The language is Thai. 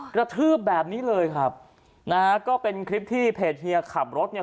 กระทืบแบบนี้เลยครับนะฮะก็เป็นคลิปที่เพจเฮียขับรถเนี่ย